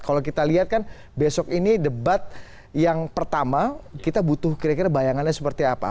kalau kita lihat kan besok ini debat yang pertama kita butuh kira kira bayangannya seperti apa